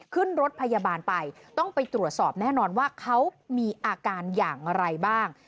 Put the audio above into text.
ขึ้นรถพยาบาลไปต้องไปตรวจสอบแน่นอนว่าเขามีอาการอย่างไรบ้าง